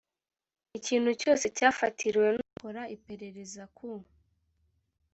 ikintu cyose cyafatiriwe n ukora iperereza ku